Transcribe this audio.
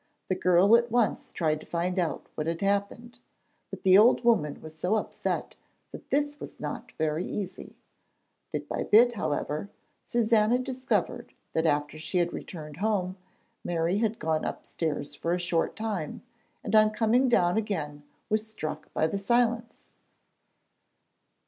The girl at once tried to find out what had happened, but the old woman was so upset that this was not very easy. Bit by bit, however, Susannah discovered that after she had returned home, Mary had gone upstairs for a short time, and on coming down again was struck by the silence.